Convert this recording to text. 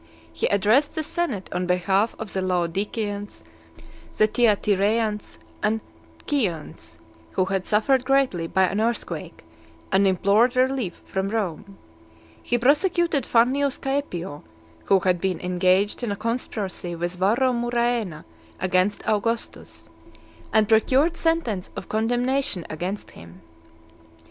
He addressed the senate on behalf of the Laodiceans, the Thyatireans, and Chians, who had suffered greatly by an earthquake, and implored relief from Rome. He prosecuted Fannius Caepio, who had been engaged in a conspiracy with Varro Muraena against Augustus, and procured sentence of condemnation against him.